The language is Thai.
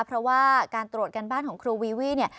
เพราะว่าการตรวจการบ้านของครูวีวี่เนี่ย